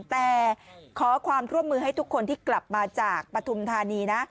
แต่ขอความร่วมมือให้ทุกคนที่กลับมาจากปฐุมธานีนะ